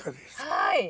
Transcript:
はい。